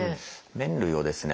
麺類をですね